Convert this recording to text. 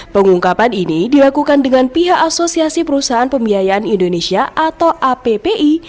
pengungkapan ini dilakukan dengan pihak asosiasi perusahaan pembiayaan indonesia atau appi